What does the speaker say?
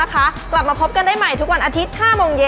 กลับมาพบกันได้ใหม่ทุกวันอาทิตย์๕โมงเย็น